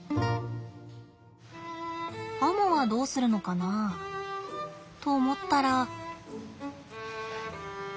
アモはどうするのかなあと思ったら。